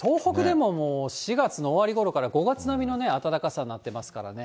東北でももう４月の終わりごろから、５月並みの暖かさになってますからね。